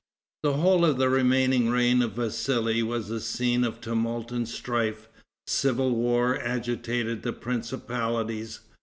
The whole of the remaining reign of Vassali was a scene of tumult and strife. Civil war agitated the principalities.